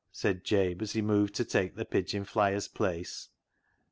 said Jabe, as he moved to take the pigeon flyer's place.